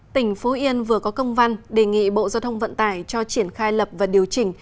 tỉnh phú yên vừa có công văn đề nghị bộ giao thông vận tải cho triển khai lập và điều chỉnh